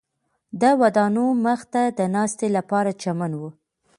د ودانیو مخ ته د ناستې لپاره چمن و.